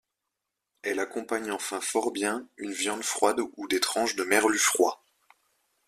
Elle accompagne enfin fort bien une viande froide ou des tranches de merlu froid.